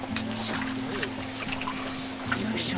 よいしょ。